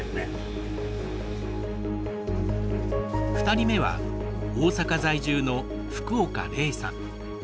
２人目は大阪在住の福岡麗さん。